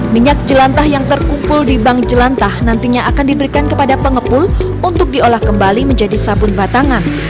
minyak jelantah yang terkumpul di bank jelantah nantinya akan diberikan kepada pengepul untuk diolah kembali menjadi sabun batangan